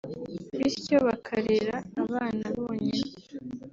bityo bakarera abana bonyine